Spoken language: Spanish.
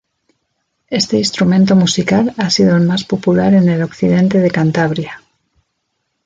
Este instrumento musical ha sido el más popular en el occidente de Cantabria.